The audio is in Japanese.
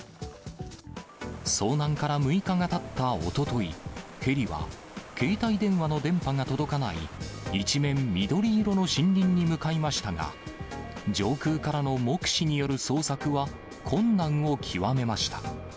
遭難から６日がたったおととい、ヘリは携帯電話の電波が届かない一面緑色の森林に向かいましたが、上空からの目視による捜索は困難を極めました。